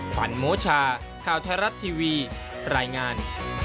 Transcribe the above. ขวัญโมชาข่าวไทยรัฐทีวีรายงาน